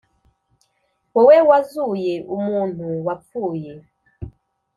Wowe wazuye umuntu wapfuye,